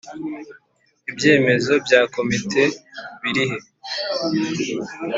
ibyemezo bya Komite birihe